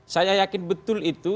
saya yakin betul itu